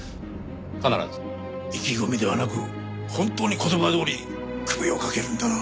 意気込みではなく本当に言葉どおり首をかけるんだな？